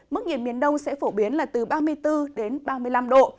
mức nhiệt miền đông sẽ phổ biến là từ ba mươi bốn đến ba mươi năm độ